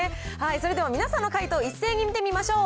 それではみなさんの回答を一斉に見てみましょう。